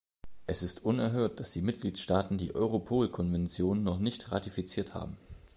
Es ist unerhört, dass die Mitgliedstaaten die Europolkonvention noch nicht ratifiziert haben.